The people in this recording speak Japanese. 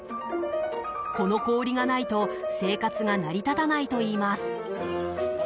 この氷がないと生活が成り立たないといいます。